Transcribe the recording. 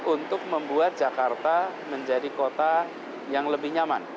untuk membuat jakarta menjadi kota yang lebih nyaman